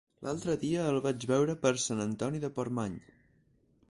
L'altre dia el vaig veure per Sant Antoni de Portmany.